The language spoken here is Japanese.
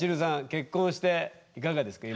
結婚していかがですか？